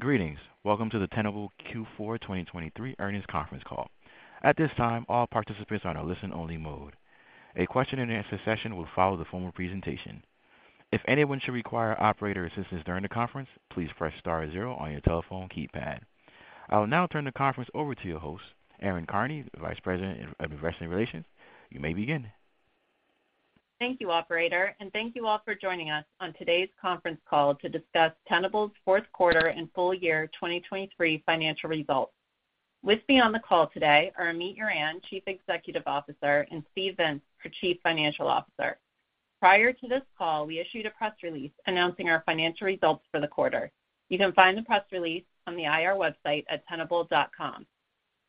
Greetings. Welcome to the Tenable Q4 2023 Earnings Conference Call. At this time, all participants are on a listen-only mode. A question and answer session will follow the formal presentation. If anyone should require operator assistance during the conference, please press star zero on your telephone keypad. I will now turn the conference over to your host, Erin Karney, Vice President of Investor Relations. You may begin. Thank you, operator, and thank you all for joining us on today's conference call to discuss Tenable's fourth quarter and full year 2023 financial results. With me on the call today are Amit Yoran, Chief Executive Officer, and Steve Vintz, our Chief Financial Officer. Prior to this call, we issued a press release announcing our financial results for the quarter. You can find the press release on the IR website at tenable.com.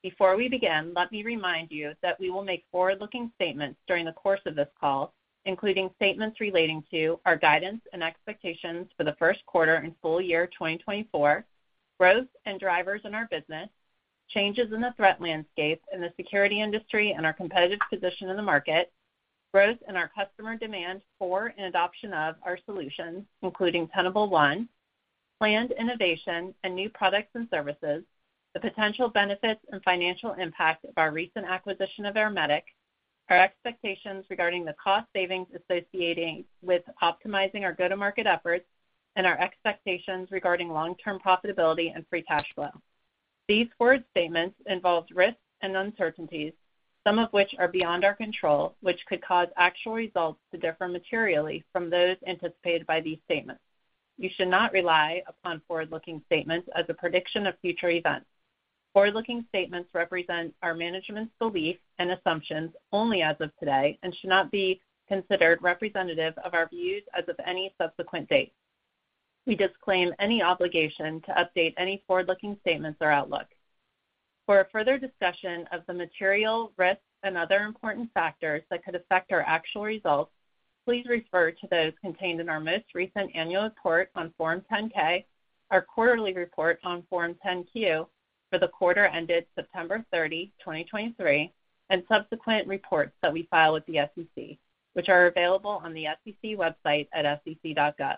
Before we begin, let me remind you that we will make forward-looking statements during the course of this call, including statements relating to our guidance and expectations for the first quarter and full year 2024, growth and drivers in our business, changes in the threat landscape in the security industry and our competitive position in the market, growth in our customer demand for and adoption of our solutions, including Tenable One, planned innovation and new products and services, the potential benefits and financial impact of our recent acquisition of Ermetic, our expectations regarding the cost savings associated with optimizing our go-to-market efforts, and our expectations regarding long-term profitability and free cash flow. These forward-looking statements involve risks and uncertainties, some of which are beyond our control, which could cause actual results to differ materially from those anticipated by these statements. You should not rely upon forward-looking statements as a prediction of future events. Forward-looking statements represent our management's beliefs and assumptions only as of today and should not be considered representative of our views as of any subsequent date. We disclaim any obligation to update any forward-looking statements or outlook. For a further discussion of the material risks and other important factors that could affect our actual results, please refer to those contained in our most recent annual report on Form 10-K, our quarterly report on Form 10-Q for the quarter ended September 30, 2023, and subsequent reports that we file with the SEC, which are available on the SEC website at sec.gov.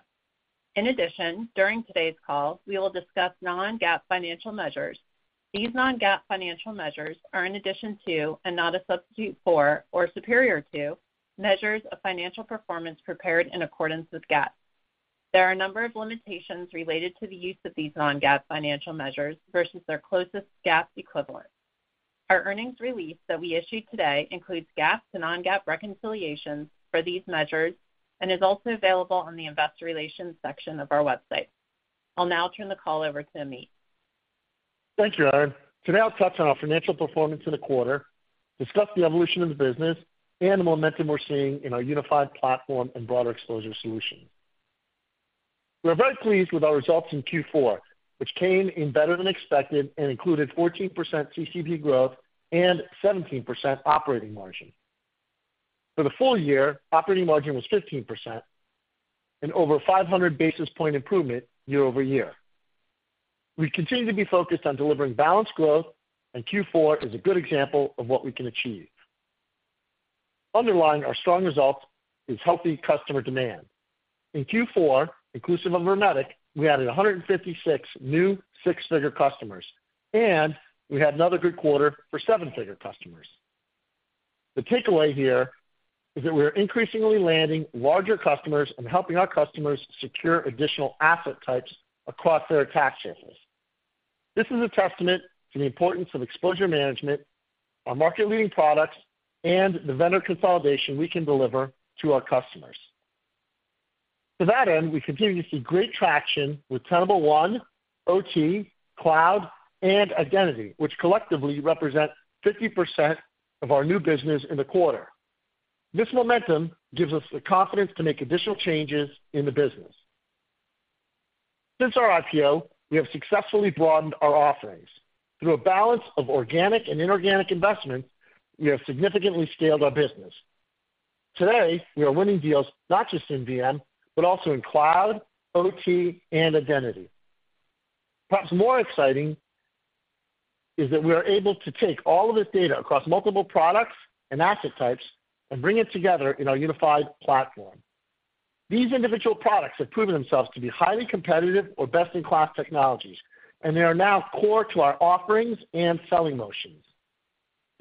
In addition, during today's call, we will discuss non-GAAP financial measures. These non-GAAP financial measures are in addition to and not a substitute for or superior to measures of financial performance prepared in accordance with GAAP. There are a number of limitations related to the use of these non-GAAP financial measures versus their closest GAAP equivalent. Our earnings release that we issued today includes GAAP to non-GAAP reconciliations for these measures and is also available on the investor relations section of our website. I'll now turn the call over to Amit. Thank you, Erin. Today, I'll touch on our financial performance in the quarter, discuss the evolution of the business and the momentum we're seeing in our unified platform and broader exposure solution. We are very pleased with our results in Q4, which came in better than expected and included 14% CCB growth and 17% operating margin. For the full year, operating margin was 15% and over 500 basis point improvement year-over-year. We continue to be focused on delivering balanced growth, and Q4 is a good example of what we can achieve. Underlying our strong results is healthy customer demand. In Q4, inclusive of Ermetic, we added 156 new six-figure customers, and we had another good quarter for seven-figure customers. The takeaway here is that we are increasingly landing larger customers and helping our customers secure additional asset types across their attack surfaces. This is a testament to the importance of exposure management, our market-leading products, and the vendor consolidation we can deliver to our customers. To that end, we continue to see great traction with Tenable One, OT, Cloud, and Identity, which collectively represent 50% of our new business in the quarter. This momentum gives us the confidence to make additional changes in the business. Since our IPO, we have successfully broadened our offerings. Through a balance of organic and inorganic investment, we have significantly scaled our business. Today, we are winning deals not just in VM, but also in cloud, OT, and identity. Perhaps more exciting is that we are able to take all of this data across multiple products and asset types and bring it together in our unified platform. These individual products have proven themselves to be highly competitive or best-in-class technologies, and they are now core to our offerings and selling motions.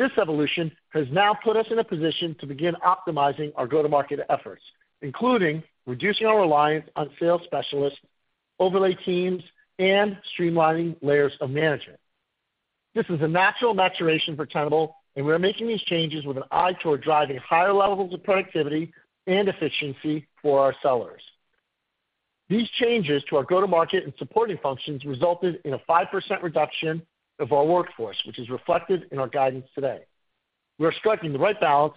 This evolution has now put us in a position to begin optimizing our go-to-market efforts, including reducing our reliance on sales specialists, overlay teams, and streamlining layers of management. This is a natural maturation for Tenable, and we are making these changes with an eye toward driving higher levels of productivity and efficiency for our sellers. These changes to our go-to-market and supporting functions resulted in a 5% reduction of our workforce, which is reflected in our guidance today. We are striking the right balance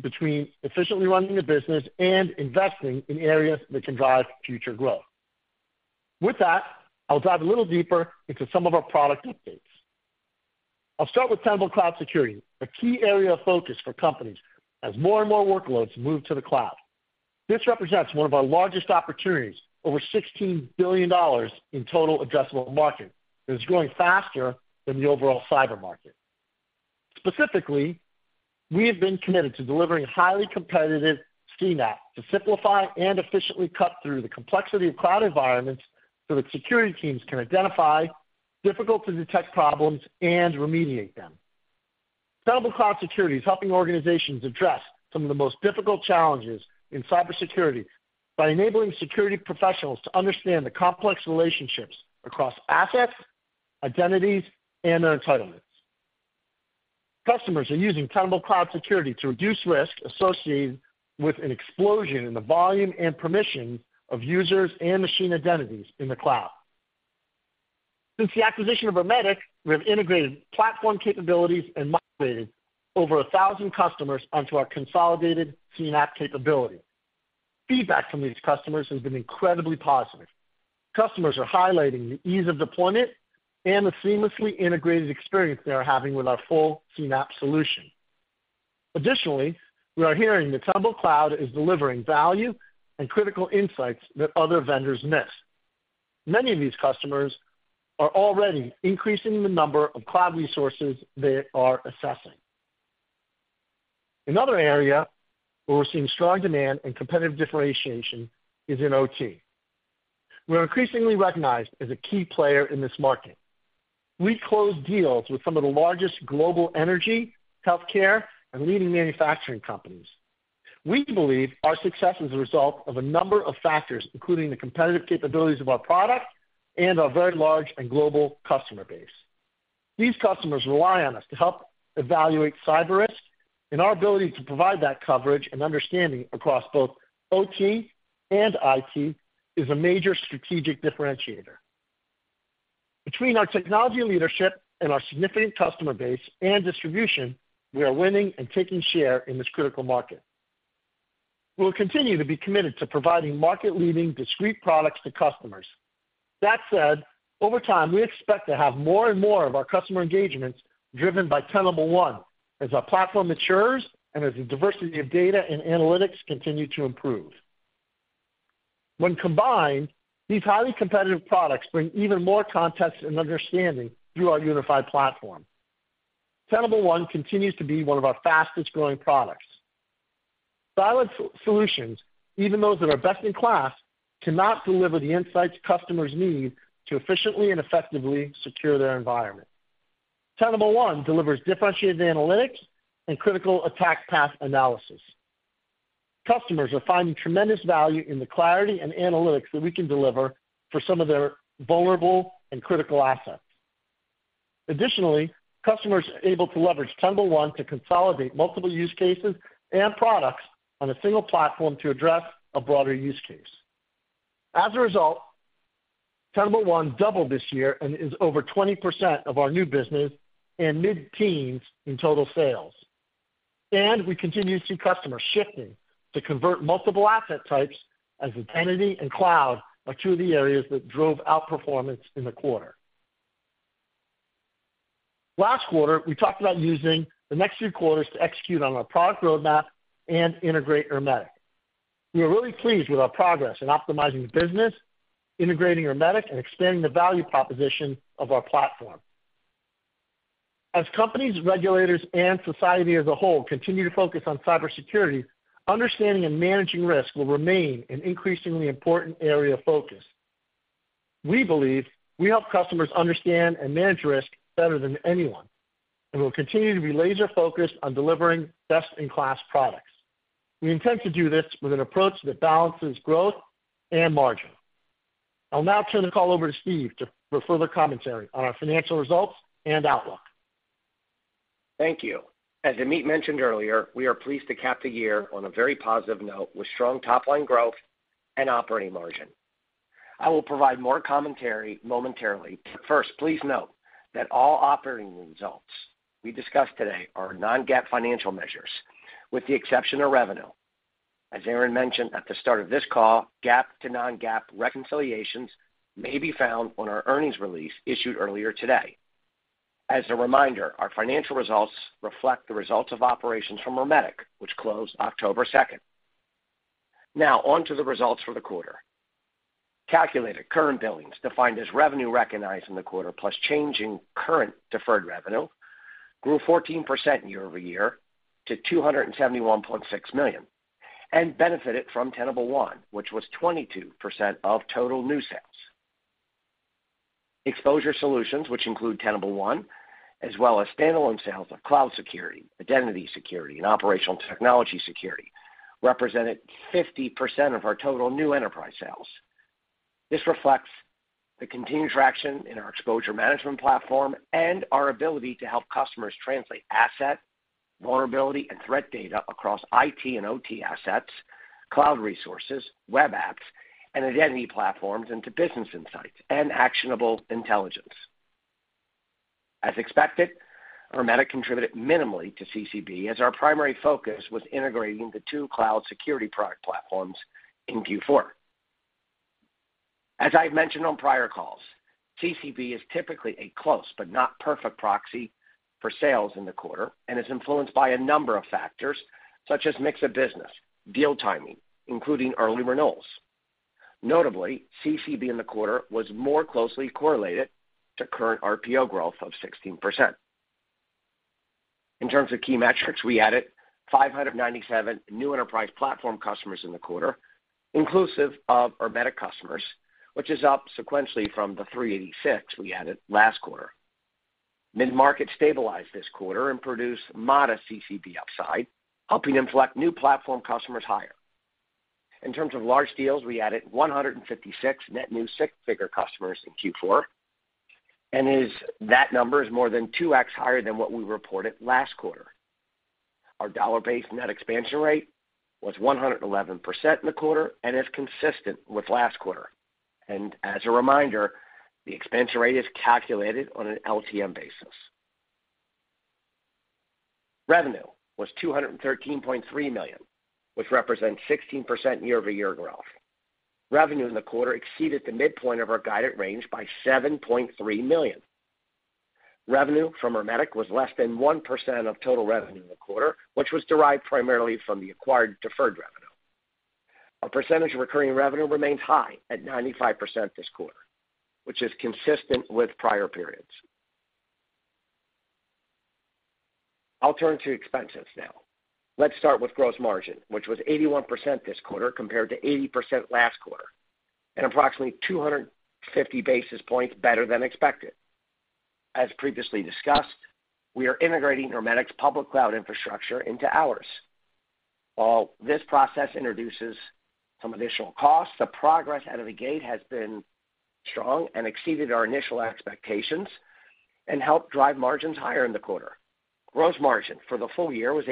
between efficiently running the business and investing in areas that can drive future growth. With that, I'll dive a little deeper into some of our product updates. I'll start with Tenable Cloud Security, a key area of focus for companies as more and more workloads move to the cloud. This represents one of our largest opportunities, over $16 billion in total addressable market, that is growing faster than the overall cyber market. Specifically, we have been committed to delivering highly competitive CNAPP to simplify and efficiently cut through the complexity of cloud environments so that security teams can identify difficult-to-detect problems and remediate them. Tenable Cloud Security is helping organizations address some of the most difficult challenges in cybersecurity by enabling security professionals to understand the complex relationships across assets, identities, and their entitlements. Customers are using Tenable Cloud Security to reduce risk associated with an explosion in the volume and permission of users and machine identities in the cloud. Since the acquisition of Ermetic, we have integrated platform capabilities and migrated over 1,000 customers onto our consolidated CNAPP capability. Feedback from these customers has been incredibly positive. Customers are highlighting the ease of deployment and the seamlessly integrated experience they are having with our full CNAPP solution. Additionally, we are hearing that Tenable Cloud is delivering value and critical insights that other vendors miss. Many of these customers are already increasing the number of cloud resources they are assessing. Another area where we're seeing strong demand and competitive differentiation is in OT. We're increasingly recognized as a key player in this market. We closed deals with some of the largest global energy, healthcare, and leading manufacturing companies. We believe our success is a result of a number of factors, including the competitive capabilities of our product and our very large and global customer base. These customers rely on us to help evaluate cyber risk, and our ability to provide that coverage and understanding across both OT and IT is a major strategic differentiator. Between our technology leadership and our significant customer base and distribution, we are winning and taking share in this critical market. We'll continue to be committed to providing market-leading, discrete products to customers. That said, over time, we expect to have more and more of our customer engagements driven by Tenable One as our platform matures and as the diversity of data and analytics continue to improve. When combined, these highly competitive products bring even more context and understanding through our unified platform. Tenable One continues to be one of our fastest-growing products. Siloed solutions, even those that are best in class, cannot deliver the insights customers need to efficiently and effectively secure their environment. Tenable One delivers differentiated analytics and critical Attack Path Analysis. Customers are finding tremendous value in the clarity and analytics that we can deliver for some of their vulnerable and critical assets. Additionally, customers are able to leverage Tenable One to consolidate multiple use cases and products on a single platform to address a broader use case. As a result, Tenable One doubled this year and is over 20% of our new business and mid-teens in total sales. We continue to see customers shifting to convert multiple asset types as identity and cloud are two of the areas that drove outperformance in the quarter. Last quarter, we talked about using the next few quarters to execute on our product roadmap and integrate Ermetic. We are really pleased with our progress in optimizing the business, integrating Ermetic, and expanding the value proposition of our platform. As companies, regulators, and society as a whole continue to focus on cybersecurity, understanding and managing risk will remain an increasingly important area of focus. We believe we help customers understand and manage risk better than anyone, and we'll continue to be laser-focused on delivering best-in-class products. We intend to do this with an approach that balances growth and margin. I'll now turn the call over to Steve for further commentary on our financial results and outlook. Thank you. As Amit mentioned earlier, we are pleased to cap the year on a very positive note with strong top-line growth and operating margin. I will provide more commentary momentarily, but first, please note that all operating results we discuss today are non-GAAP financial measures, with the exception of revenue. As Erin mentioned at the start of this call, GAAP to non-GAAP reconciliations may be found on our earnings release issued earlier today. As a reminder, our financial results reflect the results of operations from Ermetic, which closed October second. Now, on to the results for the quarter. Calculated current billings, defined as revenue recognized in the quarter, plus change in current deferred revenue, grew 14% year-over-year to $271.6 million, and benefited from Tenable One, which was 22% of total new sales. Exposure solutions, which include Tenable One, as well as standalone sales of cloud security, identity security, and operational technology security, represented 50% of our total new enterprise sales. This reflects the continued traction in our exposure management platform and our ability to help customers translate asset, vulnerability, and threat data across IT and OT assets, cloud resources, web apps, and identity platforms into business insights and actionable intelligence. As expected, Ermetic contributed minimally to CCB, as our primary focus was integrating the two cloud security product platforms in Q4. As I've mentioned on prior calls, CCB is typically a close but not perfect proxy for sales in the quarter and is influenced by a number of factors, such as mix of business, deal timing, including early renewals.... Notably, CCB in the quarter was more closely correlated to current RPO growth of 16%. In terms of key metrics, we added 597 new enterprise platform customers in the quarter, inclusive of our Ermetic customers, which is up sequentially from the 386 we added last quarter. Mid-market stabilized this quarter and produced modest CCB upside, helping them select new platform customers higher. In terms of large deals, we added 156 net new six-figure customers in Q4, and that number is more than 2x higher than what we reported last quarter. Our dollar-based net expansion rate was 111% in the quarter and is consistent with last quarter. As a reminder, the expansion rate is calculated on an LTM basis. Revenue was $213.3 million, which represents 16% year-over-year growth. Revenue in the quarter exceeded the midpoint of our guided range by $7.3 million. Revenue from Ermetic was less than 1% of total revenue in the quarter, which was derived primarily from the acquired deferred revenue. Our % of recurring revenue remains high at 95% this quarter, which is consistent with prior periods. I'll turn to expenses now. Let's start with gross margin, which was 81% this quarter, compared to 80% last quarter, and approximately 250 basis points better than expected. As previously discussed, we are integrating Ermetic's public cloud infrastructure into ours. While this process introduces some additional costs, the progress out of the gate has been strong and exceeded our initial expectations and helped drive margins higher in the quarter. Gross margin for the full year was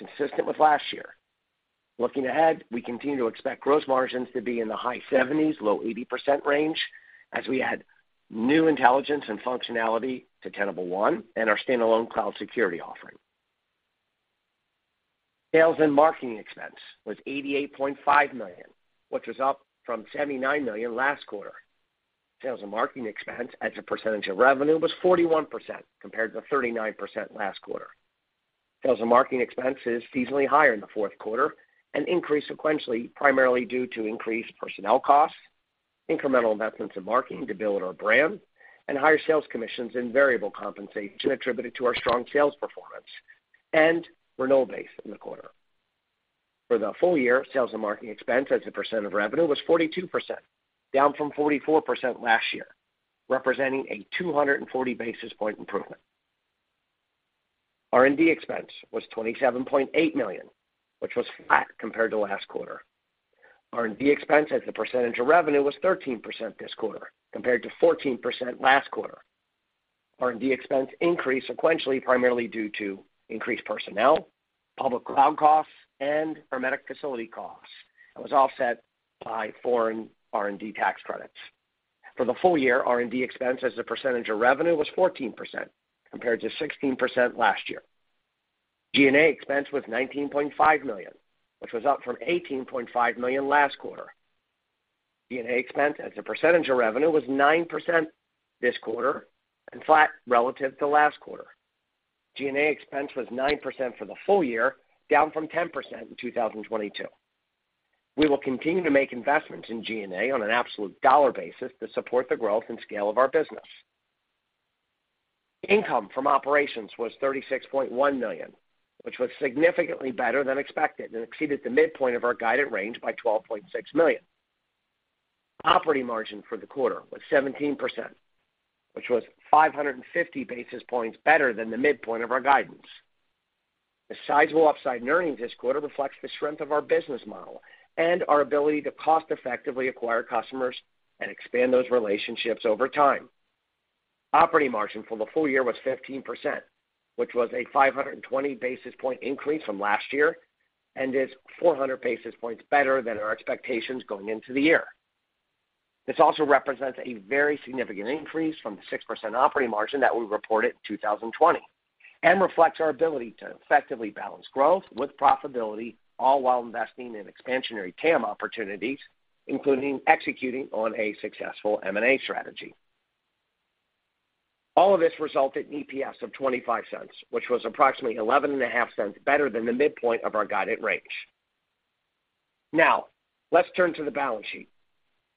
80%, consistent with last year. Looking ahead, we continue to expect gross margins to be in the high 70s-low 80s% range as we add new intelligence and functionality to Tenable One and our standalone cloud security offering. Sales and marketing expense was $88.5 million, which was up from $79 million last quarter. Sales and marketing expense as a % of revenue was 41%, compared to 39% last quarter. Sales and marketing expense is seasonally higher in the fourth quarter and increased sequentially, primarily due to increased personnel costs, incremental investments in marketing to build our brand, and higher sales commissions and variable compensation attributed to our strong sales performance and renewal base in the quarter. For the full year, sales and marketing expense as a percent of revenue was 42%, down from 44% last year, representing a 240 basis point improvement. R&D expense was $27.8 million, which was flat compared to last quarter. R&D expense as a % of revenue was 13% this quarter, compared to 14% last quarter. R&D expense increased sequentially, primarily due to increased personnel, public cloud costs, and Ermetic facility costs, and was offset by foreign R&D tax credits. For the full year, R&D expense as a % of revenue was 14%, compared to 16% last year. G&A expense was $19.5 million, which was up from $18.5 million last quarter. G&A expense as a % of revenue was 9% this quarter and flat relative to last quarter. G&A expense was 9% for the full year, down from 10% in 2022. We will continue to make investments in G&A on an absolute dollar basis to support the growth and scale of our business. Income from operations was $36.1 million, which was significantly better than expected and exceeded the midpoint of our guided range by $12.6 million. Operating margin for the quarter was 17%, which was 550 basis points better than the midpoint of our guidance. The sizable upside in earnings this quarter reflects the strength of our business model and our ability to cost-effectively acquire customers and expand those relationships over time. Operating margin for the full year was 15%, which was a 520 basis point increase from last year and is 400 basis points better than our expectations going into the year. This also represents a very significant increase from the 6% operating margin that we reported in 2020, and reflects our ability to effectively balance growth with profitability, all while investing in expansionary TAM opportunities, including executing on a successful M&A strategy. All of this resulted in EPS of $0.25, which was approximately $0.115 better than the midpoint of our guided range. Now, let's turn to the balance sheet.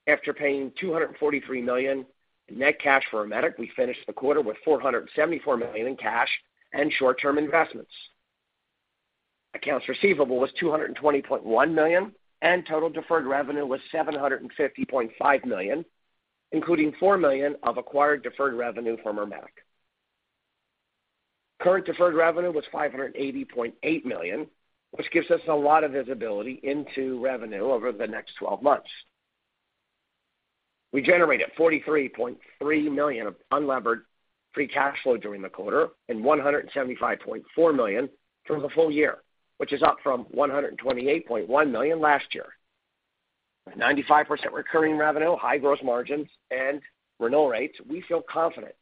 After paying $243 million in net cash for Ermetic, we finished the quarter with $474 million in cash and short-term investments. Accounts receivable was $220.1 million, and total deferred revenue was $750.5 million, including $4 million of acquired deferred revenue from Ermetic. Current deferred revenue was $580.8 million, which gives us a lot of visibility into revenue over the next 12 months. We generated $43.3 million of unlevered free cash flow during the quarter, and $175.4 million for the full year, which is up from $128.1 million last year. With 95% recurring revenue, high gross margins, and renewal rates, we feel confident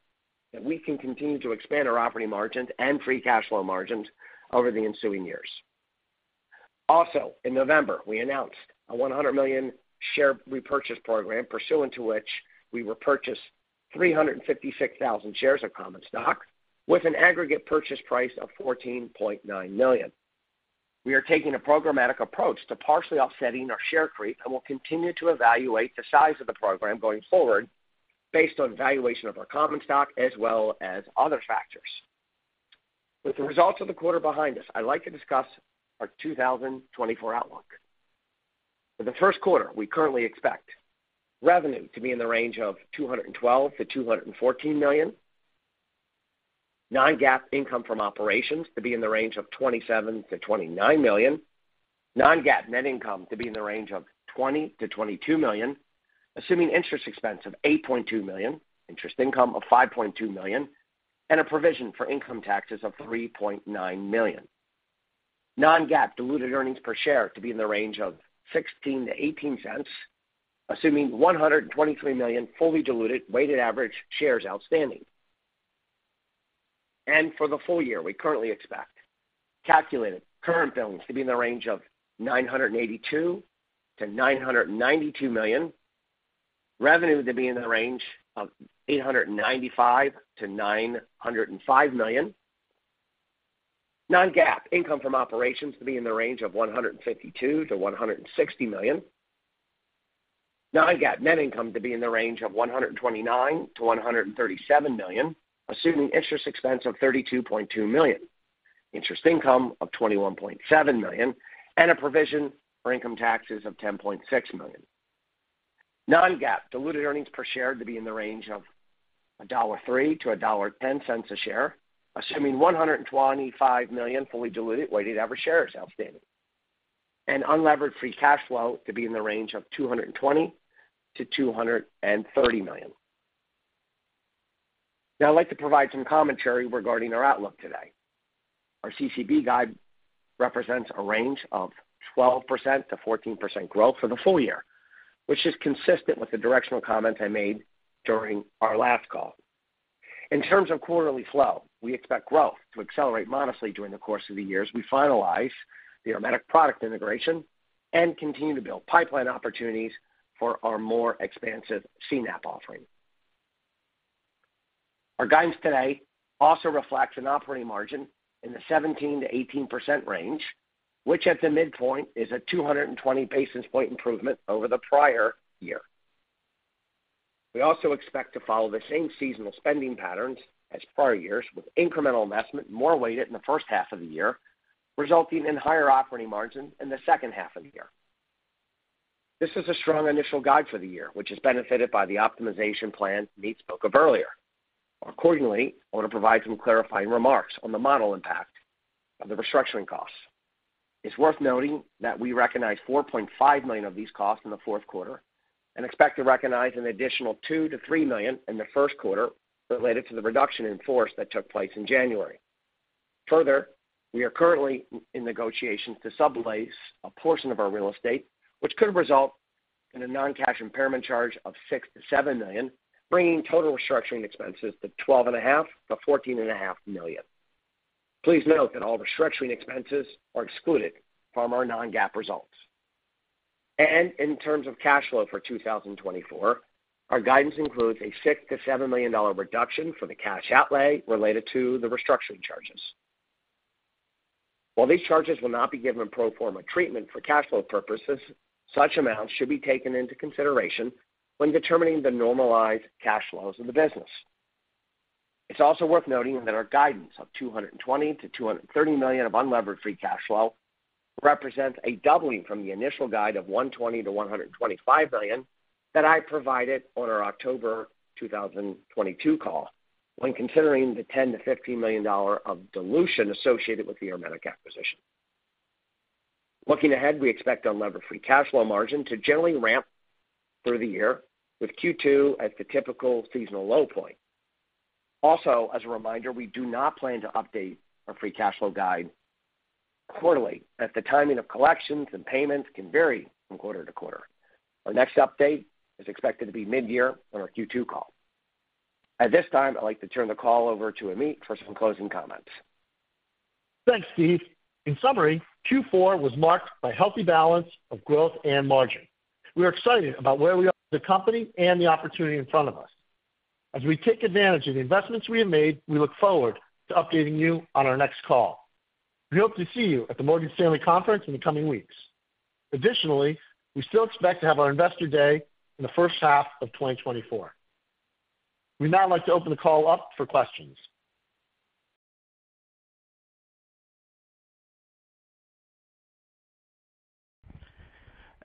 that we can continue to expand our operating margins and free cash flow margins over the ensuing years. Also, in November, we announced a $100 million share repurchase program, pursuant to which we repurchased 356,000 shares of common stock, with an aggregate purchase price of $14.9 million. We are taking a programmatic approach to partially offsetting our share creep and will continue to evaluate the size of the program going forward based on valuation of our common stock as well as other factors. With the results of the quarter behind us, I'd like to discuss our 2024 outlook. For the first quarter, we currently expect revenue to be in the range of $212 million-$214 million, non-GAAP income from operations to be in the range of $27 million-$29 million, non-GAAP net income to be in the range of $20 million-$22 million, assuming interest expense of $8.2 million, interest income of $5.2 million, and a provision for income taxes of $3.9 million. Non-GAAP diluted earnings per share to be in the range of $0.16-$0.18, assuming 123 million fully diluted weighted average shares outstanding. For the full year, we currently expect calculated current bills to be in the range of $982 million-$992 million. Revenue to be in the range of $895 million-$905 million. Non-GAAP income from operations to be in the range of $152 million-$160 million. Non-GAAP net income to be in the range of $129 million-$137 million, assuming interest expense of $32.2 million, interest income of $21.7 million, and a provision for income taxes of $10.6 million. Non-GAAP diluted earnings per share to be in the range of $1.03-$1.10 a share, assuming 125 million fully diluted weighted average shares outstanding. Unlevered free cash flow to be in the range of $220 million-$230 million. Now, I'd like to provide some commentary regarding our outlook today. Our CCB guide represents a range of 12%-14% growth for the full year, which is consistent with the directional comments I made during our last call. In terms of quarterly flow, we expect growth to accelerate modestly during the course of the years. We finalize the Ermetic product integration and continue to build pipeline opportunities for our more expansive CNAPP offering. Our guidance today also reflects an operating margin in the 17%-18% range, which at the midpoint is a 220 basis point improvement over the prior year. We also expect to follow the same seasonal spending patterns as prior years, with incremental investment more weighted in the first half of the year, resulting in higher operating margin in the second half of the year. This is a strong initial guide for the year, which is benefited by the optimization plan Amit spoke of earlier. Accordingly, I want to provide some clarifying remarks on the model impact of the restructuring costs. It's worth noting that we recognized $4.5 million of these costs in the fourth quarter and expect to recognize an additional $2 million-$3 million in the first quarter related to the reduction in force that took place in January. Further, we are currently in negotiations to sublease a portion of our real estate, which could result in a non-cash impairment charge of $6 million-$7 million, bringing total restructuring expenses to $12.5 million-$14.5 million. Please note that all restructuring expenses are excluded from our non-GAAP results. And in terms of cash flow for 2024, our guidance includes a $6 million-$7 million reduction for the cash outlay related to the restructuring charges. While these charges will not be given pro forma treatment for cash flow purposes, such amounts should be taken into consideration when determining the normalized cash flows of the business. It's also worth noting that our guidance of $220-$230 million of unlevered free cash flow represents a doubling from the initial guide of $120-$125 million that I provided on our October 2022 call when considering the $10-$15 million of dilution associated with the Ermetic acquisition. Looking ahead, we expect unlevered free cash flow margin to generally ramp through the year, with Q2 as the typical seasonal low point. Also, as a reminder, we do not plan to update our free cash flow guide quarterly, as the timing of collections and payments can vary from quarter-to-quarter. Our next update is expected to be mid-year on our Q2 call. At this time, I'd like to turn the call over to Amit for some closing comments. Thanks, Steve. In summary, Q4 was marked by healthy balance of growth and margin. We are excited about where we are, the company, and the opportunity in front of us. As we take advantage of the investments we have made, we look forward to updating you on our next call. We hope to see you at the Morgan Stanley conference in the coming weeks. Additionally, we still expect to have our Investor Day in the first half of 2024. We'd now like to open the call up for questions.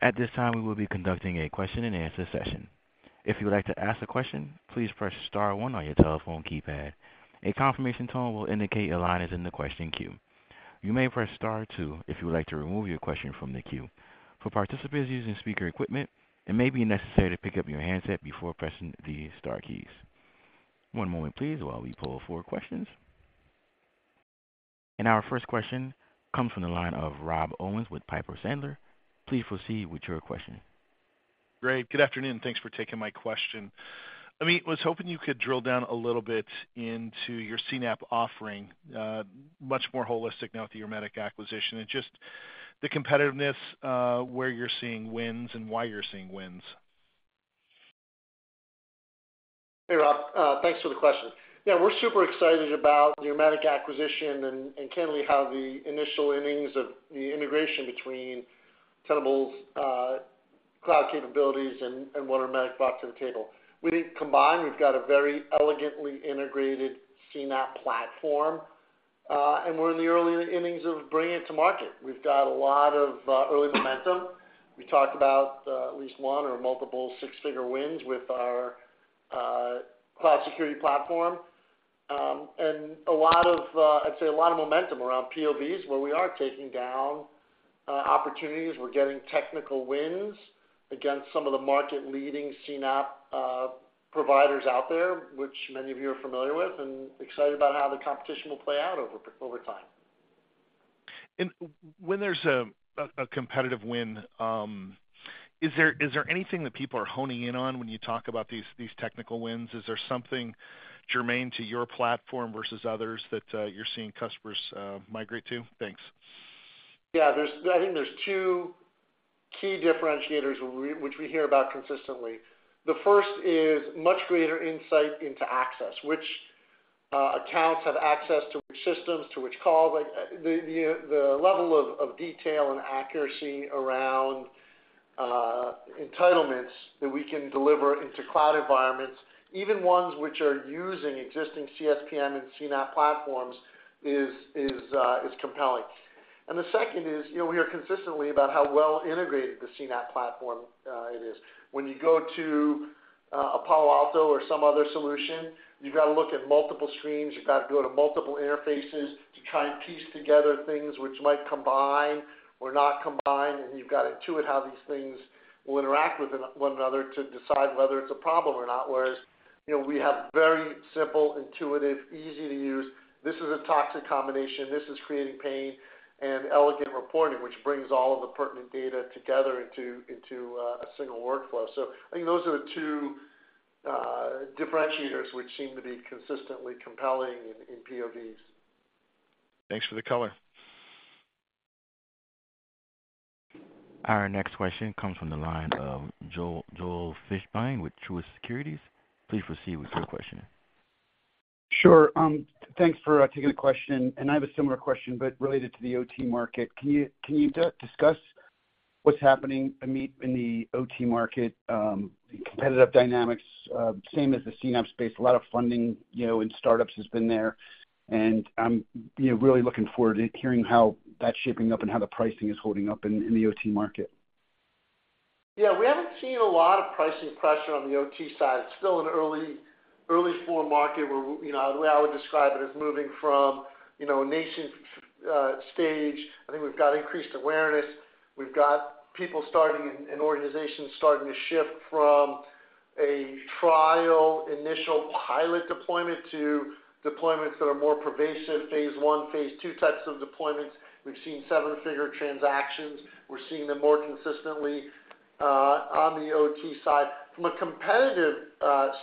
At this time, we will be conducting a question-and-answer session. If you would like to ask a question, please press star one on your telephone keypad. A confirmation tone will indicate your line is in the question queue. You may press star two if you would like to remove your question from the queue. For participants using speaker equipment, it may be necessary to pick up your handset before pressing the star keys. One moment please while we pull for questions. Our first question comes from the line of Rob Owens with Piper Sandler. Please proceed with your question. Great. Good afternoon, thanks for taking my question. Amit, was hoping you could drill down a little bit into your CNAPP offering, much more holistic now with the Ermetic acquisition, and just the competitiveness, where you're seeing wins and why you're seeing wins? Hey, Rob, thanks for the question. Yeah, we're super excited about the Ermetic acquisition, and candidly, how the initial innings of the integration between Tenable's cloud capabilities and what Ermetic brought to the table. When we combine, we've got a very elegantly integrated CNAPP platform, and we're in the early innings of bringing it to market. We've got a lot of early momentum. We talked about at least one or multiple six-figure wins with our cloud security platform. And a lot of, I'd say a lot of momentum around POVs, where we are taking down opportunities. We're getting technical wins against some of the market-leading CNAPP providers out there, which many of you are familiar with, and excited about how the competition will play out over time. When there's a competitive win, is there anything that people are honing in on when you talk about these technical wins? Is there something germane to your platform versus others that you're seeing customers migrate to? Thanks. Yeah, there's I think there's two key differentiators which we hear about consistently. The first is much greater insight into access, which accounts have access to which systems, to which calls. Like, the level of detail and accuracy around entitlements that we can deliver into cloud environments, even ones which are using existing CSPM and CNAPP platforms, is compelling. And the second is, you know, we hear consistently about how well integrated the CNAPP platform it is. When you go to a Palo Alto or some other solution, you've got to look at multiple screens. You've got to go to multiple interfaces to try and piece together things which might combine or not combine, and you've got to intuit how these things will interact with one another to decide whether it's a problem or not. Whereas, you know, we have very simple, intuitive, easy-to-use, this is a toxic combination, this is creating pain and elegant reporting, which brings all of the pertinent data together into a single workflow. So I think those are the two differentiators which seem to be consistently compelling in POVs. Thanks for the color. Our next question comes from the line of Joel, Joel Fishbein, with Truist Securities. Please proceed with your question. Sure, thanks for taking the question, and I have a similar question, but related to the OT market. Can you discuss what's happening, I mean, in the OT market, competitive dynamics? Same as the CNAPP space, a lot of funding, you know, in startups has been there, and I'm, you know, really looking forward to hearing how that's shaping up and how the pricing is holding up in the OT market. Yeah, we haven't seen a lot of pricing pressure on the OT side. It's still an early, early formative market, where you know, the way I would describe it, as moving from, you know, a nascent stage. I think we've got increased awareness. We've got people starting and organizations starting to shift from a trial, initial pilot deployment to deployments that are more pervasive, phase one, phase two types of deployments. We've seen seven-figure transactions. We're seeing them more consistently on the OT side. From a competitive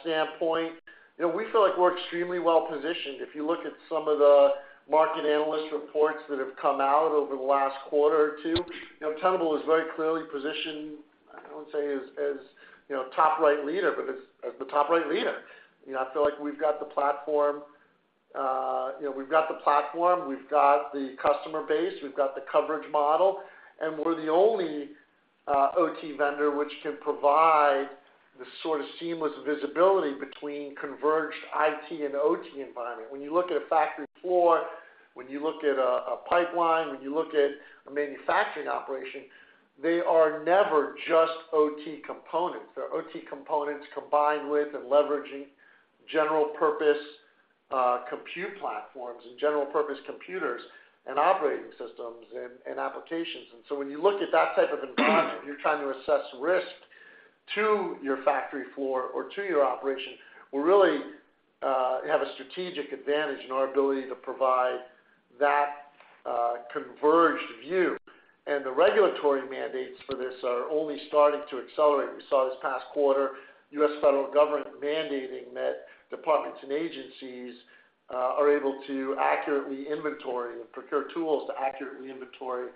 standpoint, you know, we feel like we're extremely well positioned. If you look at some of the market analyst reports that have come out over the last quarter or two, you know, Tenable is very clearly positioned, I would say, as, as, you know, top right leader, but as, as the top right leader. You know, I feel like we've got the platform, you know, we've got the platform, we've got the customer base, we've got the coverage model, and we're the only OT vendor which can provide the sort of seamless visibility between converged IT and OT environment. When you look at a factory floor, when you look at a pipeline, when you look at a manufacturing operation, they are never just OT components. They're OT components combined with and leveraging general purpose compute platforms and general purpose computers and operating systems and applications. And so when you look at that type of environment, you're trying to assess risk to your factory floor or to your operation, we really have a strategic advantage in our ability to provide that converged view. And the regulatory mandates for this are only starting to accelerate. We saw this past quarter, U.S. federal government mandating that departments and agencies are able to accurately inventory and procure tools to accurately inventory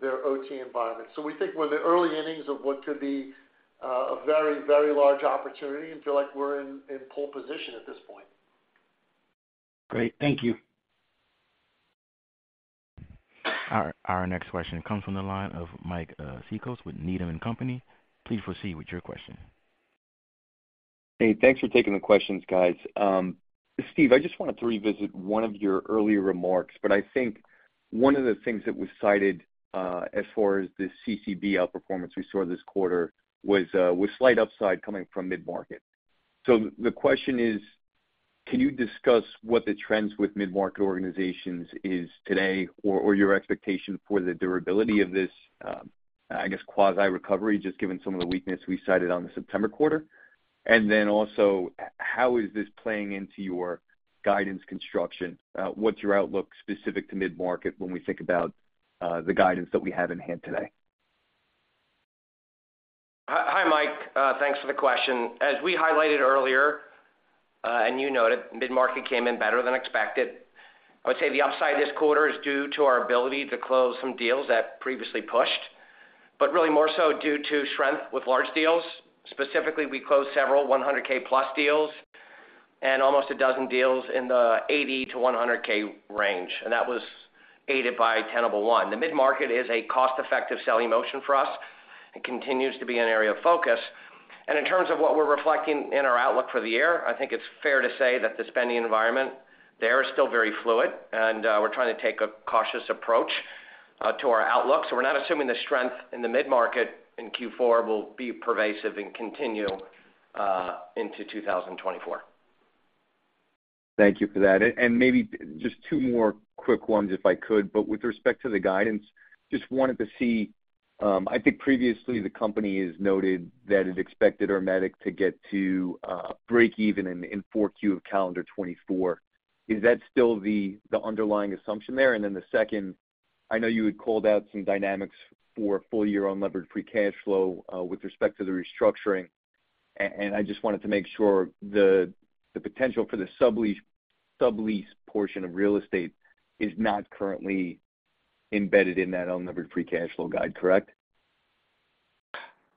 their OT environment. So we think we're in the early innings of what could be a very, very large opportunity and feel like we're in pole position at this point. Great. Thank you. Our next question comes from the line of Mike Cikos with Needham and Company. Please proceed with your question. Hey, thanks for taking the questions, guys. Steve, I just wanted to revisit one of your earlier remarks, but I think one of the things that was cited as far as the CCB outperformance we saw this quarter was slight upside coming from mid-market. So the question is, can you discuss what the trends with mid-market organizations is today, or your expectation for the durability of this, I guess, quasi-recovery, just given some of the weakness we cited on the September quarter? And then also, how is this playing into your guidance construction? What's your outlook specific to mid-market when we think about the guidance that we have in hand today?... Hi, Mike. Thanks for the question. As we highlighted earlier, and you noted, mid-market came in better than expected. I would say the upside this quarter is due to our ability to close some deals that previously pushed, but really more so due to strength with large deals. Specifically, we closed several 100K+ deals and almost a dozen deals in the 80-100K range, and that was aided by Tenable One. The mid-market is a cost-effective selling motion for us and continues to be an area of focus. And in terms of what we're reflecting in our outlook for the year, I think it's fair to say that the spending environment there is still very fluid, and we're trying to take a cautious approach to our outlook. So we're not assuming the strength in the mid-market in Q4 will be pervasive and continue into 2024. Thank you for that. And maybe just two more quick ones, if I could. But with respect to the guidance, just wanted to see, I think previously the company has noted that it expected Ermetic to get to breakeven in Q4 of calendar 2024. Is that still the underlying assumption there? And then the second, I know you had called out some dynamics for full year on levered free cash flow with respect to the restructuring, and I just wanted to make sure the potential for the sublease portion of real estate is not currently embedded in that unlevered free cash flow guide, correct?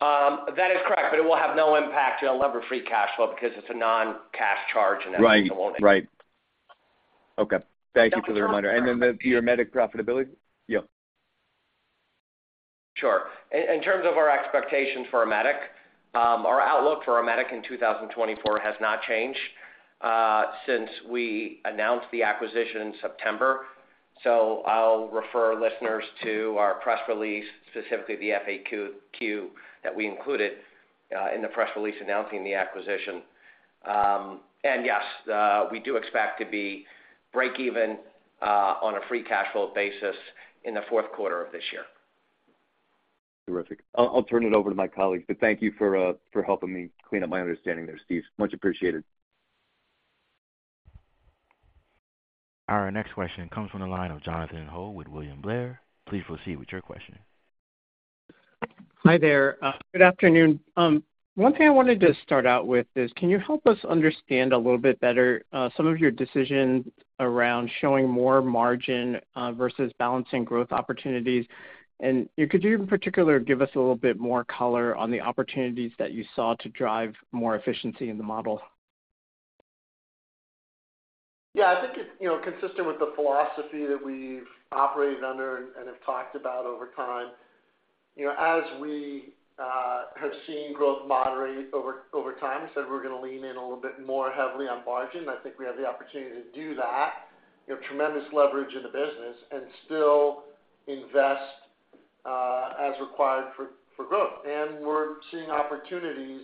That is correct, but it will have no impact to unlevered free cash flow because it's a non-cash charge, and that won't- Right. Right. Okay. Thank you for the reminder. And then the Ermetic profitability? Yeah. Sure. In terms of our expectations for Ermetic, our outlook for Ermetic in 2024 has not changed since we announced the acquisition in September. So I'll refer listeners to our press release, specifically the FAQ that we included in the press release announcing the acquisition. And yes, we do expect to be breakeven on a free cash flow basis in the fourth quarter of this year. Terrific. I'll turn it over to my colleagues, but thank you for helping me clean up my understanding there, Steve. Much appreciated. Our next question comes from the line of Jonathan Ho with William Blair. Please proceed with your question. Hi there. Good afternoon. One thing I wanted to start out with is, can you help us understand a little bit better, some of your decisions around showing more margin, versus balancing growth opportunities? And could you, in particular, give us a little bit more color on the opportunities that you saw to drive more efficiency in the model? Yeah, I think it's, you know, consistent with the philosophy that we've operated under and have talked about over time. You know, as we have seen growth moderate over time, we said we're gonna lean in a little bit more heavily on margin. I think we have the opportunity to do that. We have tremendous leverage in the business and still invest as required for growth. And we're seeing opportunities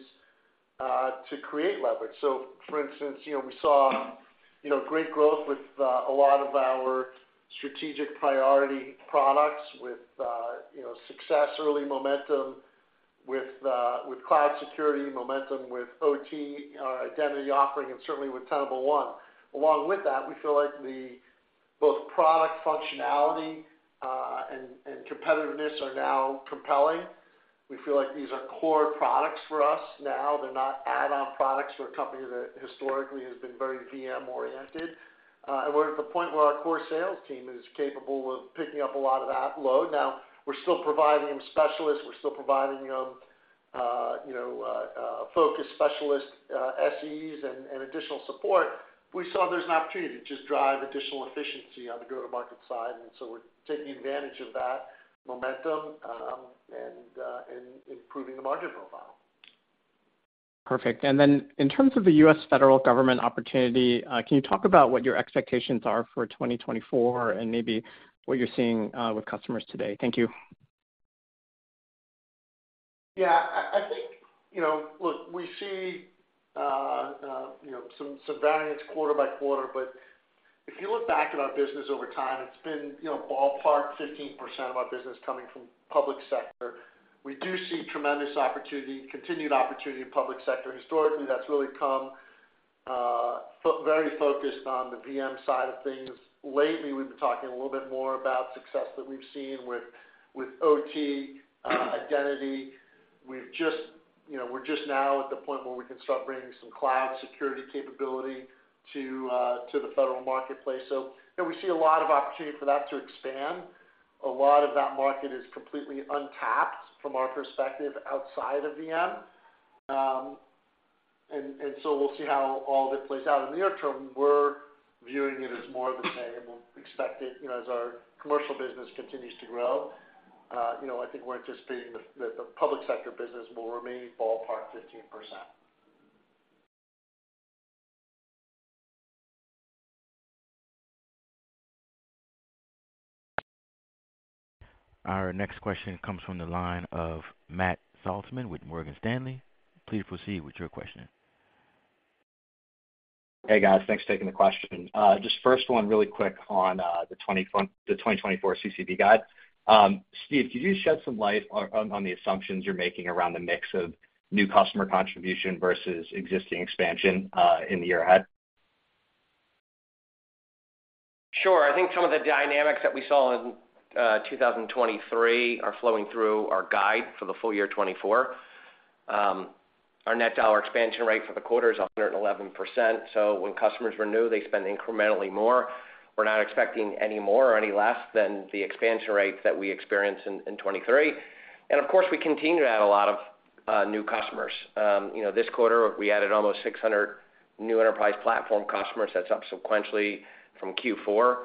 to create leverage. So for instance, you know, we saw, you know, great growth with a lot of our strategic priority products with, you know, success, early momentum with with cloud security, momentum with OT, identity offering, and certainly with Tenable One. Along with that, we feel like the both product functionality and competitiveness are now compelling. We feel like these are core products for us now. They're not add-on products for a company that historically has been very VM-oriented. And we're at the point where our core sales team is capable of picking up a lot of that load. Now, we're still providing them specialists, we're still providing them, you know, focus specialist, SEs and additional support. We saw there's an opportunity to just drive additional efficiency on the go-to-market side, and so we're taking advantage of that momentum, and improving the margin profile. Perfect. And then in terms of the U.S. federal government opportunity, can you talk about what your expectations are for 2024 and maybe what you're seeing, with customers today? Thank you. Yeah, I think, you know, look, we see you know, some variance quarter by quarter, but if you look back at our business over time, it's been, you know, ballpark 15% of our business coming from public sector. We do see tremendous opportunity, continued opportunity in public sector. Historically, that's really come very focused on the VM side of things. Lately, we've been talking a little bit more about success that we've seen with OT, identity. We've just, you know, we're just now at the point where we can start bringing some cloud security capability to the federal marketplace. So, you know, we see a lot of opportunity for that to expand. A lot of that market is completely untapped from our perspective, outside of VM. And so we'll see how all of it plays out. In the near term, we're viewing it as more of the same. We expect it, you know, as our commercial business continues to grow, you know, I think we're anticipating that the public sector business will remain ballpark 15%. Our next question comes from the line of Matt Saltzman with Morgan Stanley. Please proceed with your question. Hey, guys. Thanks for taking the question. Just first one, really quick on the 2024 CCB guide. Steve, could you shed some light on the assumptions you're making around the mix of new customer contribution versus existing expansion in the year ahead?... Sure. I think some of the dynamics that we saw in 2023 are flowing through our guide for the full year 2024. Our net dollar expansion rate for the quarter is 111%, so when customers renew, they spend incrementally more. We're not expecting any more or any less than the expansion rates that we experienced in 2023. And of course, we continue to add a lot of new customers. You know, this quarter, we added almost 600 new enterprise platform customers. That's up sequentially from Q4.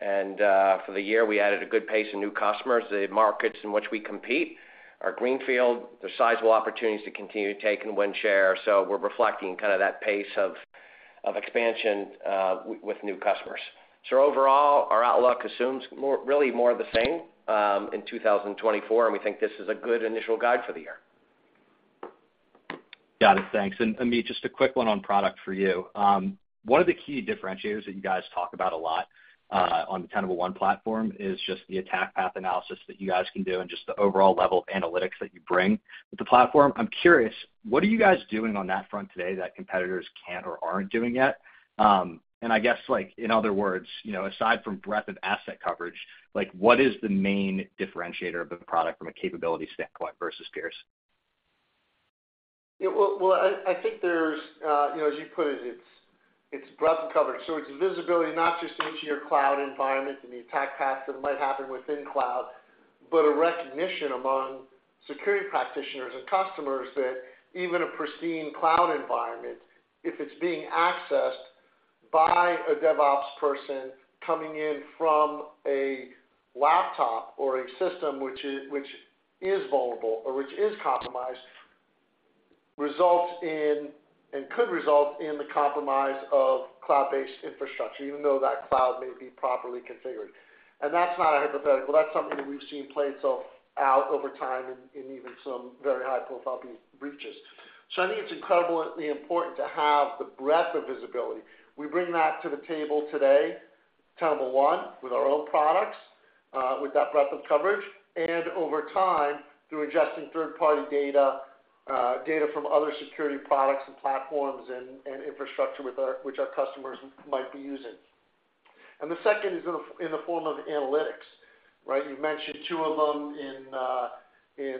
And for the year, we added a good pace of new customers. The markets in which we compete are greenfield. There's sizable opportunities to continue to take and win share. So we're reflecting kind of that pace of expansion with new customers. Overall, our outlook assumes more, really more of the same, in 2024, and we think this is a good initial guide for the year. Got it. Thanks. And Amit, just a quick one on product for you. One of the key differentiators that you guys talk about a lot on the Tenable One platform is just the Attack Path Analysis that you guys can do and just the overall level of analytics that you bring with the platform. I'm curious, what are you guys doing on that front today that competitors can't or aren't doing yet? And I guess, like, in other words, you know, aside from breadth of asset coverage, like, what is the main differentiator of the product from a capability standpoint versus peers? Yeah, well, well, I, I think there's you know, as you put it, it's, it's breadth of coverage. So it's visibility, not just into your cloud environment and the attack paths that might happen within cloud, but a recognition among security practitioners and customers that even a pristine cloud environment, if it's being accessed by a DevOps person coming in from a laptop or a system which is--which is vulnerable or which is compromised, results in, and could result in the compromise of cloud-based infrastructure, even though that cloud may be properly configured. And that's not a hypothetical. That's something that we've seen play itself out over time in, in even some very high-profile breaches. So I think it's incredibly important to have the breadth of visibility. We bring that to the table today, Tenable One, with our own products, with that breadth of coverage, and over time, through ingesting third-party data, data from other security products and platforms and infrastructure with our, which our customers might be using. And the second is in the form of analytics, right? You mentioned two of them in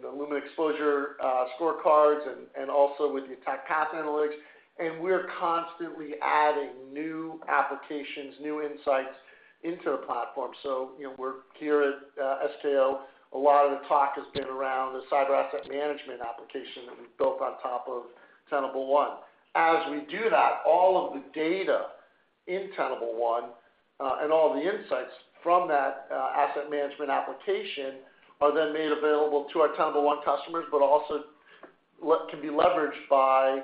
the Lumin Exposure Scorecards and also with the Attack Path Analytics. And we're constantly adding new applications, new insights into the platform. So, you know, we're here at SKO. A lot of the talk has been around the cyber asset management application that we've built on top of Tenable One. As we do that, all of the data in Tenable One and all the insights from that asset management application are then made available to our Tenable One customers, but also can be leveraged by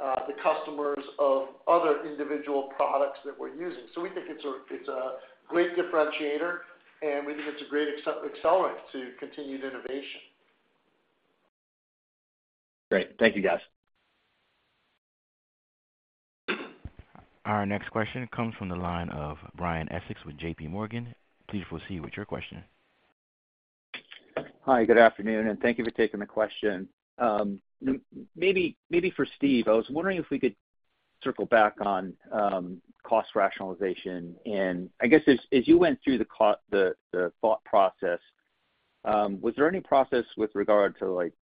the customers of other individual products that we're using. So we think it's a, it's a great differentiator, and we think it's a great accelerant to continued innovation. Great. Thank you, guys. Our next question comes from the line of Brian Essex with JPMorgan. Please proceed with your question. Hi, good afternoon, and thank you for taking the question. Maybe for Steve, I was wondering if we could circle back on cost rationalization. And I guess as you went through the thought process, was there any process with regard to, like,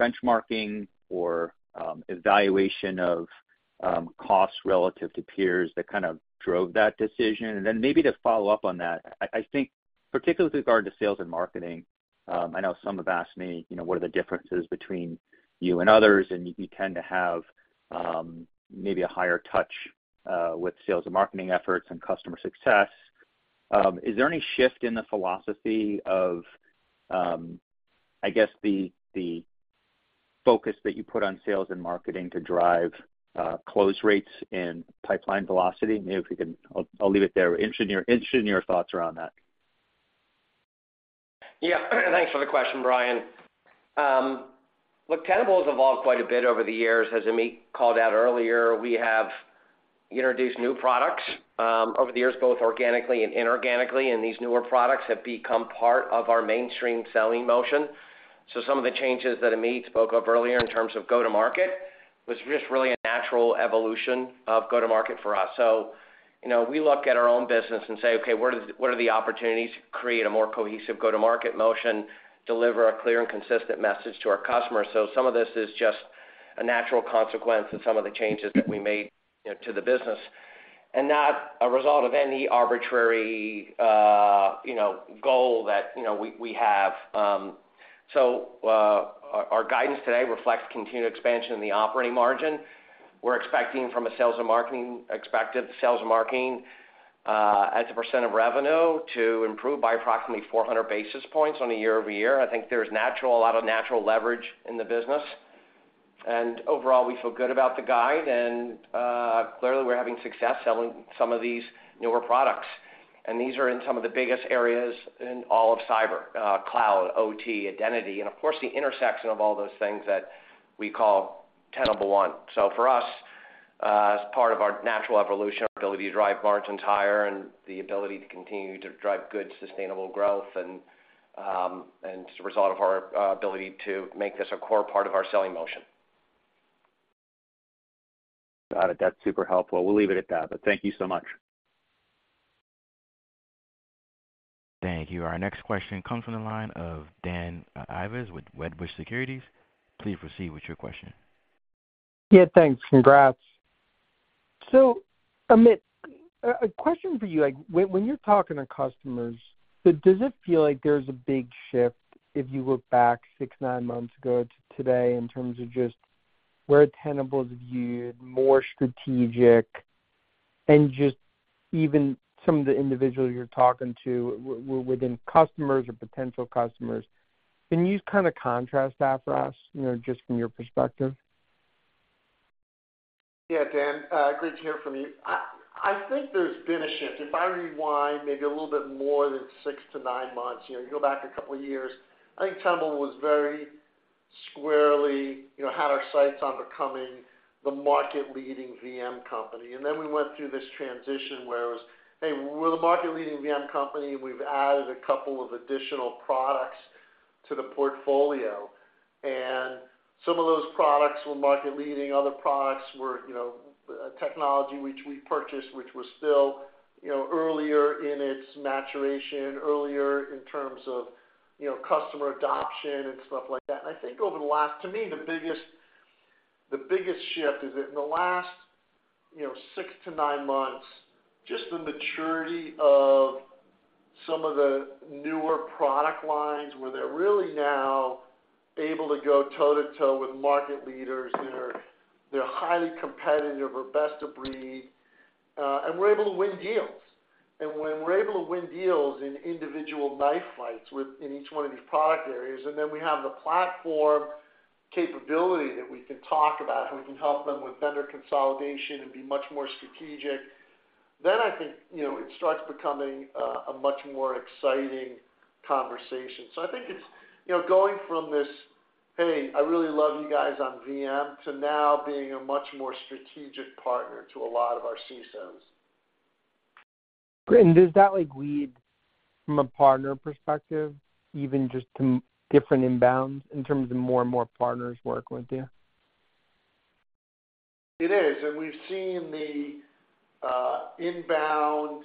benchmarking or evaluation of costs relative to peers that kind of drove that decision? And then maybe to follow up on that, I think particularly with regard to sales and marketing, I know some have asked me, you know, what are the differences between you and others, and you tend to have maybe a higher touch with sales and marketing efforts and customer success. Is there any shift in the philosophy of, I guess, the focus that you put on sales and marketing to drive close rates and pipeline velocity? Maybe if you can... I'll leave it there. Interested in your thoughts around that. Yeah, thanks for the question, Brian. Look, Tenable has evolved quite a bit over the years. As Amit called out earlier, we have introduced new products over the years, both organically and inorganically, and these newer products have become part of our mainstream selling motion. So some of the changes that Amit spoke of earlier in terms of go-to-market was just really a natural evolution of go-to-market for us. So, you know, we look at our own business and say: Okay, where does what are the opportunities to create a more cohesive go-to-market motion, deliver a clear and consistent message to our customers? So some of this is just a natural consequence of some of the changes that we made, you know, to the business, and not a result of any arbitrary, you know, goal that, you know, we, we have. So, our guidance today reflects continued expansion in the operating margin. We're expecting sales and marketing as a percent of revenue to improve by approximately 400 basis points year-over-year. I think there's a lot of natural leverage in the business, and overall, we feel good about the guide. And clearly, we're having success selling some of these newer products. And these are in some of the biggest areas in all of cyber, cloud, OT, identity, and of course, the intersection of all those things that we call Tenable One. So for us, as part of our natural evolution, our ability to drive margins higher and the ability to continue to drive good, sustainable growth, and as a result of our ability to make this a core part of our selling motion.... Got it. That's super helpful. We'll leave it at that, but thank you so much. Thank you. Our next question comes from the line of Dan Ives with Wedbush Securities. Please proceed with your question. Yeah, thanks. Congrats. So, Amit, a question for you. Like, when you're talking to customers, does it feel like there's a big shift if you look back six, nine months ago to today in terms of just where Tenable is viewed, more strategic, and just even some of the individuals you're talking to within customers or potential customers? Can you kind of contrast that for us, you know, just from your perspective? Yeah, Dan, great to hear from you. I think there's been a shift. If I rewind maybe a little bit more than 6-9 months, you know, you go back a couple of years, I think Tenable was very squarely, you know, had our sights on becoming the market-leading VM company. And then we went through this transition where it was, "Hey, we're the market-leading VM company. We've added a couple of additional products to the portfolio." And some of those products were market-leading. Other products were, you know, technology which we purchased, which was still, you know, earlier in its maturation, earlier in terms of, you know, customer adoption and stuff like that. And I think over the last—to me, the biggest, the biggest shift is that in the last, you know, 6-9 months, just the maturity of some of the newer product lines, where they're really now able to go toe-to-toe with market leaders, they're, they're highly competitive or best of breed, and we're able to win deals. And when we're able to win deals in individual knife fights within each one of these product areas, and then we have the platform capability that we can talk about, how we can help them with vendor consolidation and be much more strategic, then I think, you know, it starts becoming a, a much more exciting conversation. So I think it's, you know, going from this, "Hey, I really love you guys on VM," to now being a much more strategic partner to a lot of our CISOs. Great. And does that, like, lead from a partner perspective, even just to different inbounds in terms of more and more partners working with you? It is, and we've seen the inbound,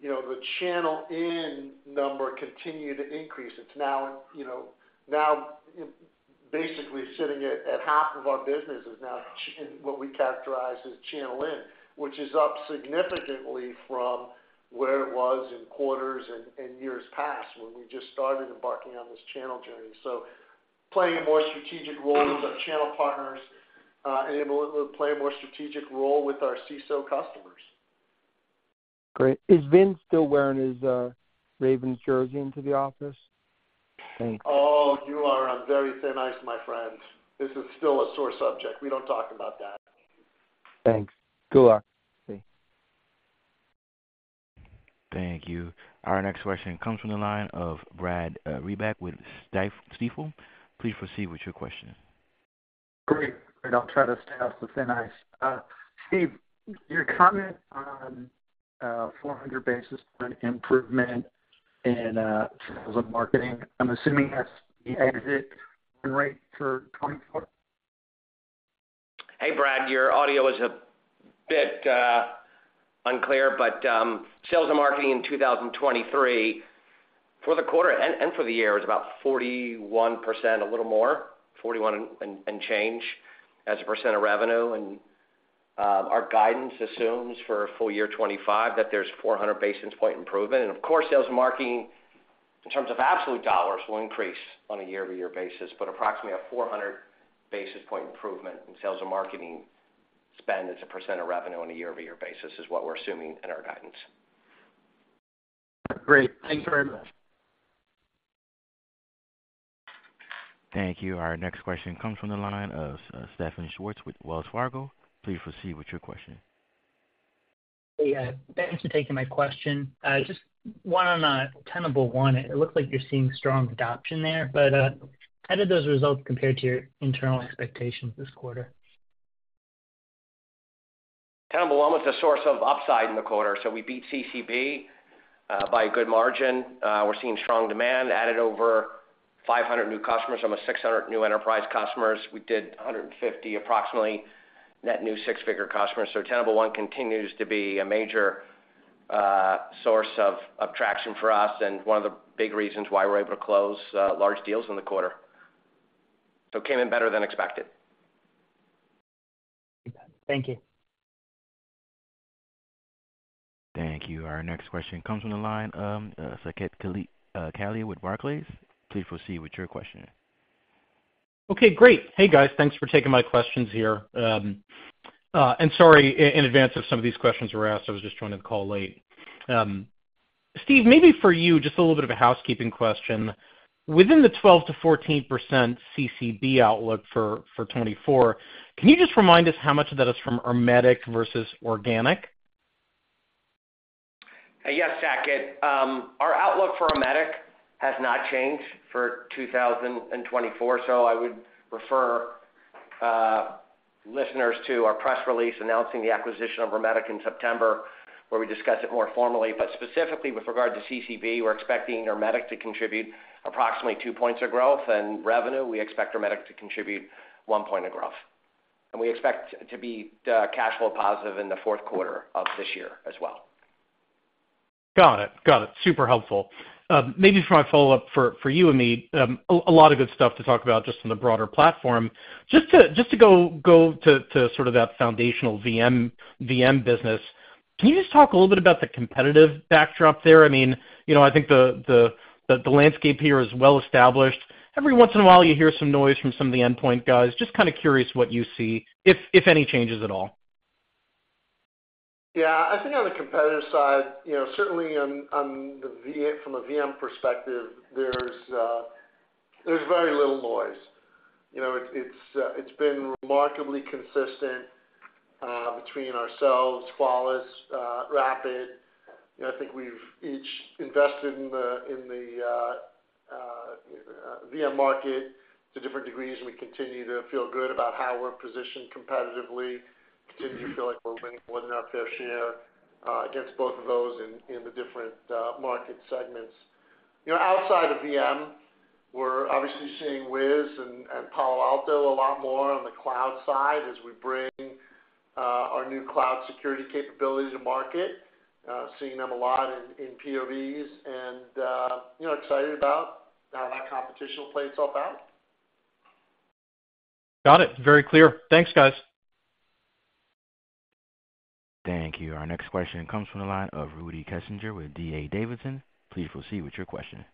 you know, the channel in number continue to increase. It's now, you know, now basically sitting at half of our business is now what we characterize as channel in, which is up significantly from where it was in quarters and years past, when we just started embarking on this channel journey. So playing a more strategic role with our channel partners and able to play a more strategic role with our CISO customers. Great. Is Vintz still wearing his Ravens jersey into the office? Thanks. Oh, you are on very thin ice, my friend. This is still a sore subject. We don't talk about that. Thanks. Good luck. Thank you. Our next question comes from the line of Brad Reback with Stifel. Please proceed with your question. Great, and I'll try to stay off the thin ice. Steve, your comment on 400 basis point improvement in sales and marketing, I'm assuming that's the exit run rate for 2024? Hey, Brad, your audio is a bit unclear, but sales and marketing in 2023, for the quarter and for the year, is about 41%, a little more, 41 and change as a percent of revenue. Our guidance assumes for full year 2025 that there's 400 basis point improvement. And of course, sales and marketing, in terms of absolute dollars, will increase on a year-over-year basis, but approximately a 400 basis point improvement in sales and marketing spend as a percent of revenue on a year-over-year basis is what we're assuming in our guidance. Great. Thanks very much. Thank you. Our next question comes from the line of Stephen Schwartz with Wells Fargo. Please proceed with your question. Hey, thanks for taking my question. Just one on, Tenable One. It looks like you're seeing strong adoption there, but, how did those results compare to your internal expectations this quarter? Tenable One was a source of upside in the quarter, so we beat CCB by a good margin. We're seeing strong demand, added over 500 new customers, almost 600 new enterprise customers. We did 150, approximately, net new six-figure customers. So Tenable One continues to be a major source of traction for us and one of the big reasons why we're able to close large deals in the quarter. So it came in better than expected. Thank you. Thank you. Our next question comes from the line of Saket Kalia with Barclays. Please proceed with your question. Okay, great. Hey, guys, thanks for taking my questions here. Sorry in advance if some of these questions were asked. I was just joining the call late. Steve, maybe for you, just a little bit of a housekeeping question. Within the 12%-14% CCB outlook for 2024, can you just remind us how much of that is from Ermetic versus organic? Yes, Saket. Our outlook for Ermetic has not changed for 2024, so I would refer listeners to our press release announcing the acquisition of Ermetic in September, where we discuss it more formally. But specifically with regard to CCB, we're expecting Ermetic to contribute approximately 2 points of growth, and revenue, we expect Ermetic to contribute 1 point of growth. And we expect to be cash flow positive in the fourth quarter of this year as well.... Got it. Got it. Super helpful. Maybe for my follow-up for you, Amit, a lot of good stuff to talk about just on the broader platform. Just to go to that foundational VM business, can you just talk a little bit about the competitive backdrop there? I mean, you know, I think that the landscape here is well established. Every once in a while, you hear some noise from some of the endpoint guys. Just kind of curious what you see, if any changes at all. Yeah, I think on the competitive side, you know, certainly on the VM perspective, there's very little noise. You know, it's been remarkably consistent between ourselves, Qualys, Rapid7. You know, I think we've each invested in the VM market to different degrees, and we continue to feel good about how we're positioned competitively, continue to feel like we're winning more than our fair share against both of those in the different market segments. You know, outside of VM, we're obviously seeing Wiz and Palo Alto a lot more on the cloud side as we bring our new cloud security capabilities to market. Seeing them a lot in POVs, and you know, excited about how that competition will play itself out. Got it. Very clear. Thanks, guys. Thank you. Our next question comes from the line of Rudy Kessinger with D.A. Davidson. Please proceed with your question.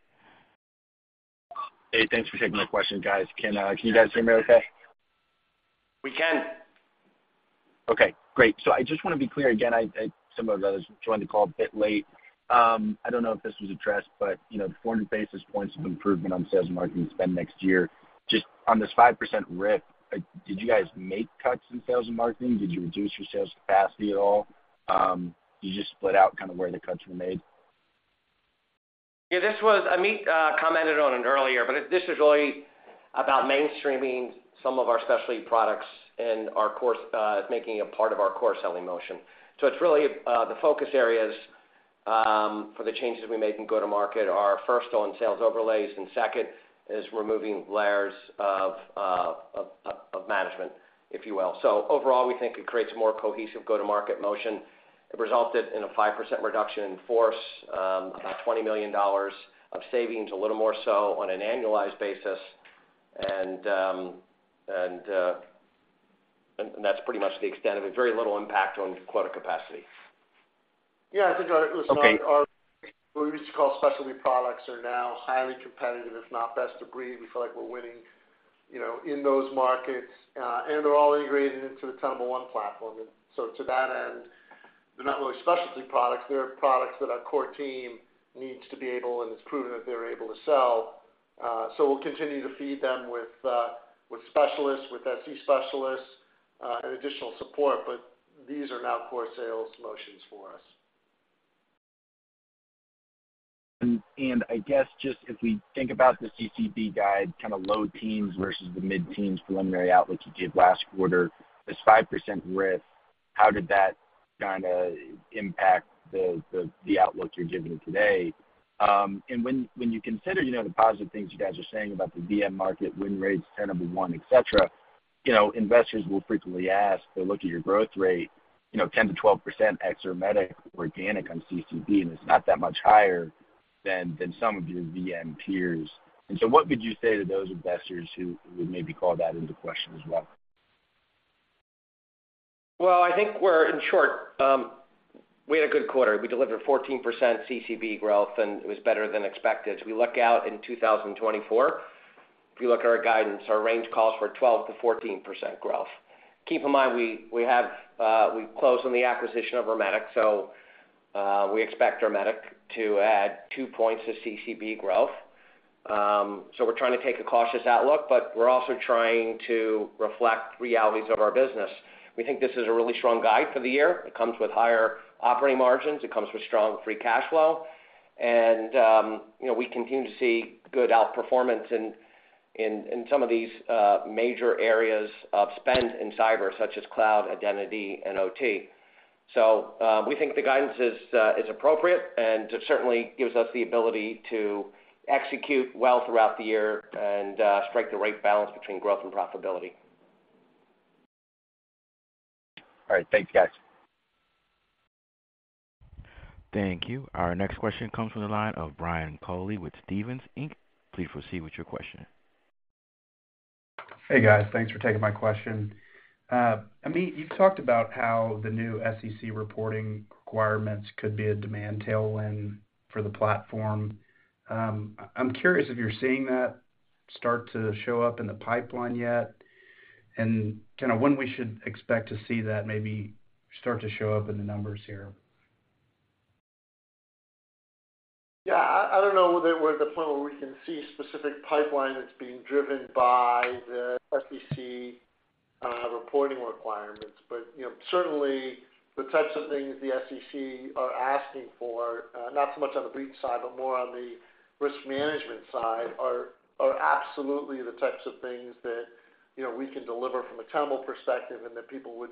Hey, thanks for taking my question, guys. Can you guys hear me okay? We can. Okay, great. So I just want to be clear again, I—some of us joined the call a bit late. I don't know if this was addressed, but, you know, the 400 basis points of improvement on sales and marketing spend next year, just on this 5% RIF, did you guys make cuts in sales and marketing? Did you reduce your sales capacity at all? Can you just split out kind of where the cuts were made? Yeah, this was—Amit commented on it earlier, but this is really about mainstreaming some of our specialty products and of course making it part of our core selling motion. So it's really the focus areas for the changes we make in go-to-market are, first, on sales overlays, and second is removing layers of management, if you will. So overall, we think it creates a more cohesive go-to-market motion. It resulted in a 5% reduction in force, about $20 million of savings, a little more so on an annualized basis. And that's pretty much the extent of it. Very little impact on quota capacity. Yeah, I think, listen- Okay. Our, what we used to call specialty products, are now highly competitive, if not best of breed. We feel like we're winning, you know, in those markets, and they're all integrated into the Tenable One platform. So to that end, they're not really specialty products, they're products that our core team needs to be able and has proven that they're able to sell. So we'll continue to feed them with, with specialists, with SE specialists, and additional support, but these are now core sales motions for us. And I guess just if we think about the CCB guide, kind of low teens versus the mid-teens preliminary outlook you gave last quarter, this 5% RIF, how did that kinda impact the outlook you're giving today? And when you consider, you know, the positive things you guys are saying about the VM market, win rates, Tenable One, et cetera, you know, investors will frequently ask, they'll look at your growth rate, you know, 10%-12% ex Ermetic, organic on CCB, and it's not that much higher than some of your VM peers. And so what would you say to those investors who would maybe call that into question as well? Well, I think we're. In short, we had a good quarter. We delivered 14% CCB growth, and it was better than expected. As we look out in 2024, if you look at our guidance, our range calls for 12%-14% growth. Keep in mind, we have, we closed on the acquisition of Ermetic, so, we expect Ermetic to add two points to CCB growth. So we're trying to take a cautious outlook, but we're also trying to reflect realities of our business. We think this is a really strong guide for the year. It comes with higher operating margins, it comes with strong free cash flow, and, you know, we continue to see good outperformance in some of these major areas of spend in cyber, such as cloud, identity, and OT. We think the guidance is appropriate and certainly gives us the ability to execute well throughout the year and strike the right balance between growth and profitability. All right. Thanks, guys. Thank you. Our next question comes from the line of Brian Colley with Stephens Inc. Please proceed with your question. Hey, guys. Thanks for taking my question. Amit, you've talked about how the new SEC reporting requirements could be a demand tailwind for the platform. I'm curious if you're seeing that start to show up in the pipeline yet, and kind of when we should expect to see that maybe start to show up in the numbers here. Yeah, I don't know that we're at the point where we can see specific pipeline that's being driven by the SEC reporting requirements. But, you know, certainly the types of things the SEC are asking for, not so much on the breach side, but more on the risk management side, are absolutely the types of things that, you know, we can deliver from a Tenable perspective and that people would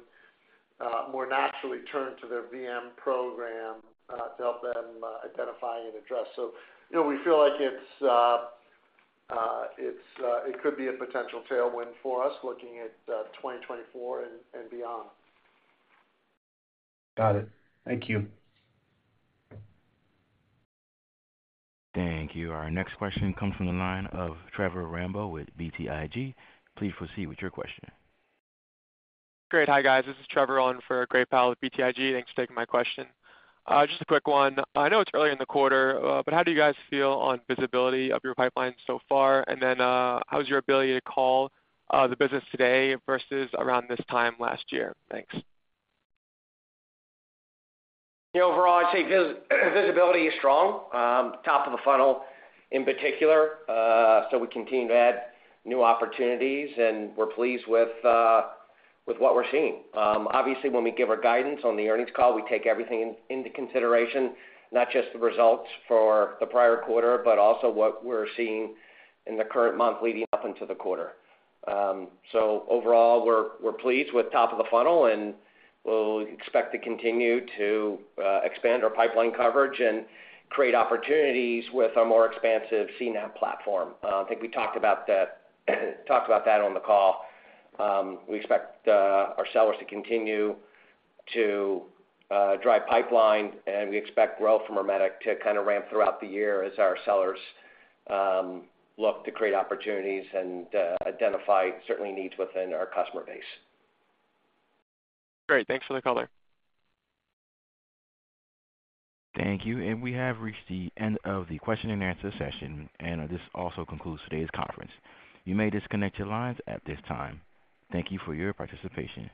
more naturally turn to their VM program to help them identify and address. So, you know, we feel like it could be a potential tailwind for us, looking at 2024 and beyond. Got it. Thank you. Thank you. Our next question comes from the line of Trevor Rambo with BTIG. Please proceed with your question. Great. Hi, guys. This is Trevor, on for Gray Powell at BTIG. Thanks for taking my question. Just a quick one. I know it's early in the quarter, but how do you guys feel on visibility of your pipeline so far? And then, how is your ability to call the business today versus around this time last year? Thanks. Overall, I'd say visibility is strong, top of the funnel in particular. So we continue to add new opportunities, and we're pleased with, with what we're seeing. Obviously, when we give our guidance on the earnings call, we take everything into consideration, not just the results for the prior quarter, but also what we're seeing in the current month leading up into the quarter. So overall, we're pleased with top of the funnel, and we'll expect to continue to expand our pipeline coverage and create opportunities with our more expansive CNAPP platform. I think we talked about that on the call. We expect our sellers to continue to drive pipeline, and we expect growth from Ermetic to kind of ramp throughout the year as our sellers look to create opportunities and identify certain needs within our customer base. Great. Thanks for the color. Thank you. We have reached the end of the question and answer session, and this also concludes today's conference. You may disconnect your lines at this time. Thank you for your participation.